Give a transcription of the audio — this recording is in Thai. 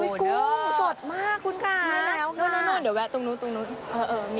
โอ้ยกุ้งสดมากคุณคะนั่นเดี๋ยวแวะตรงนู้น